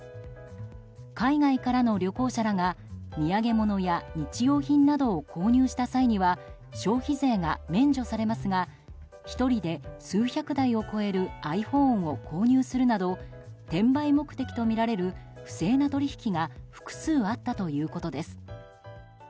海外からの旅行者らが土産物や日用品などを購入した際には消費税が免除されますが１人で数百台を超えるｉＰｈｏｎｅを購入するなど転売目的とみられる不正な取引が複数あったということです。